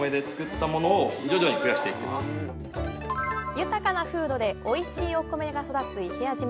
豊かな風土でおいしいお米が育つ伊平屋島。